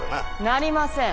なりません。